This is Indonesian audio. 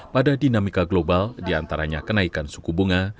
pada dinamika global diantaranya kenaikan suku bunga